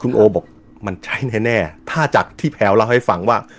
คุณโอบอกมันใช่แน่ถ้าจากที่แพลวเล่าให้ฟังว่า